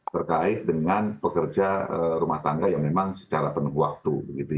terkait dengan pekerja rumah tangga yang memang secara penuh waktu